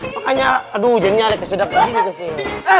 makanya aduh jangannya ala kesedak begini kesel